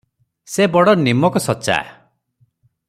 ସେ ବଡ଼ ନିମକ୍ ସଚା ।